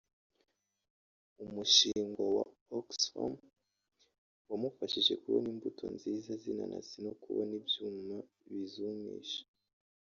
umushingwa wa Oxfarm wamufashije kubona imbuto nziza z’inanasi no kubona ibyuma bizumisha